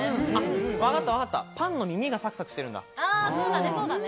わかった、パンの耳がサクサクしてるんだ。